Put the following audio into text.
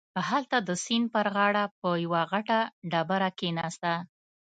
هلته د سيند پر غاړه په يوه غټه ډبره کښېناسته.